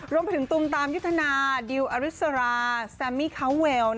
รวมไปถึงตุมตามยุทธนาดิวอริสราแซมมี่เขาเวล